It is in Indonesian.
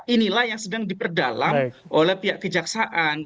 inilah yang sedang diperdalam oleh pihak kejaksaan